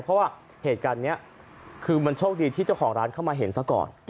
เพราะว่าเหตุการณ์นี้คือมันโชคดีที่เจ้าของร้านเข้ามาเห็นซะก่อน